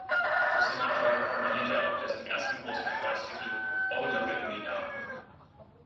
Für Sinatra komponierte er auch dessen ersten großen Erfolgstitel "Oh, Look at Me Now".